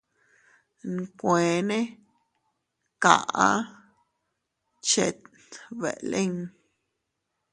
Nkueene kaʼa chet beʼe lin.